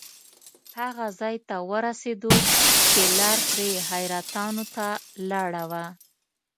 هغه ځای ته ورسېدو چې لار ترې حیرتانو ته لاړه وه.